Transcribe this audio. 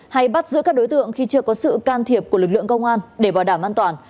hay bắt giữ các đối tượng khi chưa có sự can thiệp của lực lượng công an để bảo đảm an toàn